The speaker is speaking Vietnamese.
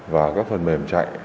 và các phần mềm chạy